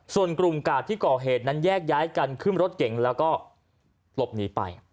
ส่วนกลุ่มกาดที่ก่อเหตุนั้นแยกย้ายกันขึ้นรถเก่งแล้วก็หลบหนีไป